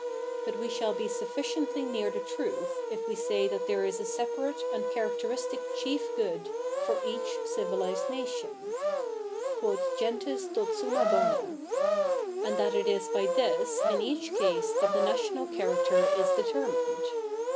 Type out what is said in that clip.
But zve shall be sufficiently near the truth if 7ve say that the7'e is a separate a7id characteristic chief good for each civilised 7iatio7i — {quot geiites tot summa bo/ia) — afid that it is by this i7i each case that the natio7tal character is deter7}ii)ied.